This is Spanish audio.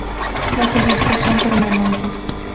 Los efectos son permanentes.